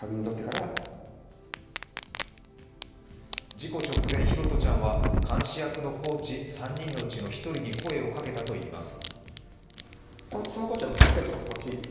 事故直前、拓杜ちゃんは監視役のコーチ３人のうち１人に声をかけたといいます。